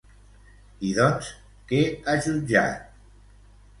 I doncs, què ha jutjat?